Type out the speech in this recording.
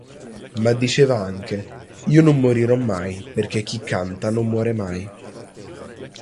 Ma diceva anche "Io non morirò mai perché chi canta non muore mai".